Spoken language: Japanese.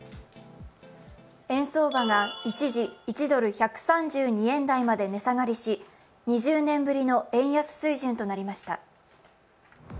円相場が一時１ドル＝１３２円台まで値下がりし、２０年ぶりの円安水準となりました。